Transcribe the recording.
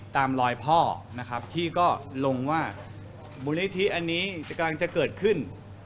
ตามรอยพ่อนะครับที่ก็ลงว่ามูลนิธิอันนี้กำลังจะเกิดขึ้น